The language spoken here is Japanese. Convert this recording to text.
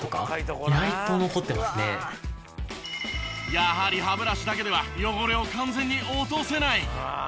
やはり歯ブラシだけでは汚れを完全に落とせない。